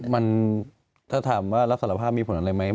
มันถ้าถามว่ารับสารภาพมีผลอะไรไหม